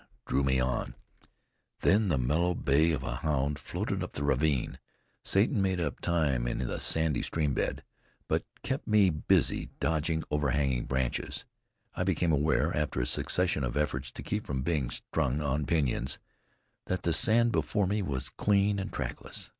drew me on; then the mellow bay of a hound floated up the ravine. Satan made up time in the sandy stream bed, but kept me busily dodging overhanging branches. I became aware, after a succession of efforts to keep from being strung on pinyons, that the sand before me was clean and trackless.